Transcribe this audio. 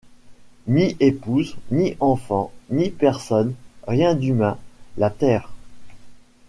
Ni épouse, ni enfants, ni personne, rien d’humain: la terre!